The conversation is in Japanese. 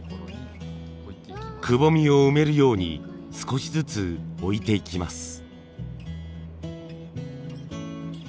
くぼみを埋めるように少しずつ置いていきます。